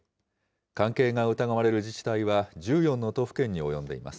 関係が疑われる自治体は１４の都府県に及んでいます。